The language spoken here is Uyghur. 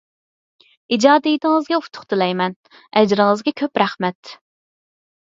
ئىجادىيىتىڭىزگە ئۇتۇق تىلەيمەن، ئەجرىڭىزگە كۆپ رەھمەت!